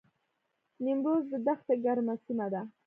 نیمروز د دښتې ګرمه سیمه ده